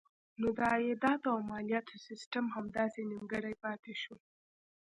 نو د عایداتو او مالیاتو سیسټم همداسې نیمګړی پاتې شو.